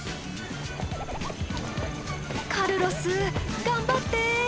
カルロス頑張って。